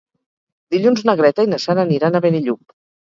Dilluns na Greta i na Sara aniran a Benillup.